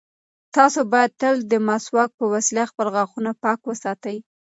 تاسو باید تل د مسواک په وسیله خپل غاښونه پاک وساتئ.